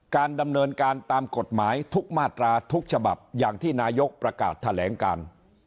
การดำเนินการตามกฎหมายทุกมาตราทุกฉบับอย่างที่นายกประกาศแถลงการ